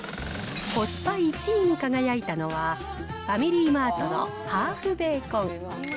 コスパ１位に輝いたのはファミリーマートのハーフベーコン。